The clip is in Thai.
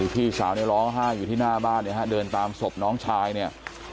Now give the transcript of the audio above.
พี่สาวรอฮ่าอยู่ที่หน้าบ้านเดินตามศพน้องชายเนี่ย